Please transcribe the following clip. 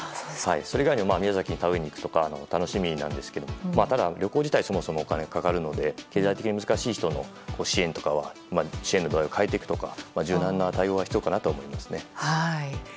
それ以外にも宮崎に旅に行くとか楽しみですけど、旅行自体がそもそもお金がかかるので経済的に難しい人の支援の度合いを変えていくとか柔軟な対応が必要かなと思いますね。